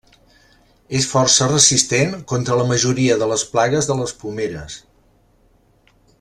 És força resistent contra la majoria de les plagues de les pomeres.